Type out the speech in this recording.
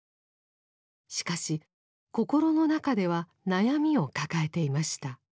しかし心の中では悩みを抱えていました。